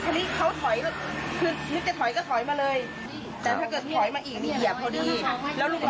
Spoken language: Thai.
ทีนี้เขาถอยคือนึกจะถอยก็ถอยมาเลยแต่ถ้าเกิดถอยมาอีกนี่เหยียบพอดีแล้วลุง